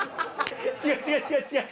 違う違う違う違う！